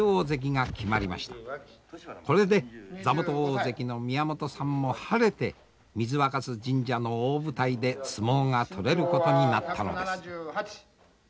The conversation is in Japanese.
これで座元大関の宮本さんも晴れて水若酢神社の大舞台で相撲が取れることになったのです。